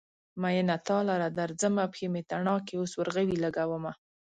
مينه تا لره درځمه : پښې مې تڼاکې اوس ورغوي لګومه